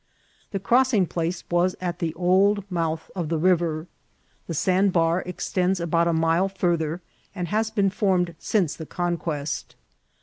The crossing place was at the old mouth of the river. The sandbar extends about a mile farther, and has been formed since the conquest.